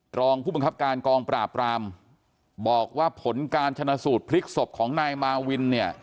รองผู้บังคับการกองปราบรามบอกว่าผลการชนะสูตรพลิกศพของนายมาวินเนี่ย